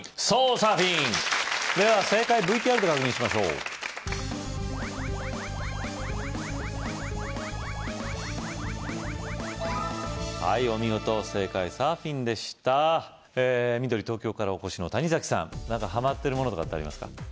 サーフィンでは正解ＶＴＲで確認しましょうはいお見事正解サーフィンでした緑東京からお越しの谷崎さん何かはまってるものとかってありますか？